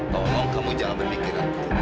tolong kamu jangan berpikir